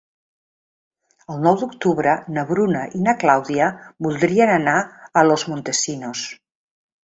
El nou d'octubre na Bruna i na Clàudia voldrien anar a Los Montesinos.